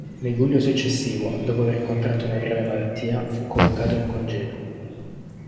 Nel luglio successivo, dopo aver contratto una grave malattia, fu collocato in congedo.